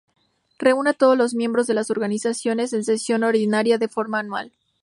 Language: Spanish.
Reúne a todos los miembros de la Organización en sesión ordinaria, de forma anual.